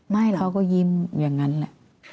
เขาก็ยิ้มอย่างนั้นแหละ